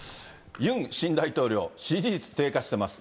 ユン新大統領、支持率低下してます。